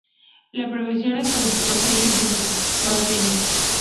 Lo perfeccionó hasta los catorce años mientras practicaba tenis.